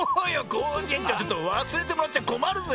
コージえんちょうちょっとわすれてもらっちゃこまるぜ。